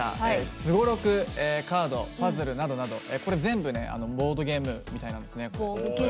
すごろく、カードパズルなどなど、これ、全部ボードゲームみたいなんですね。